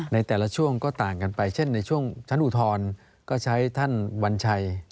ในแต่ละช่วงก็ต่างกันไปเช่นในช่วงชั้นอุทธรณ์ก็ใช้ท่านวัญชัย